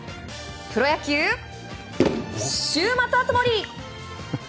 プロ野球週末熱盛！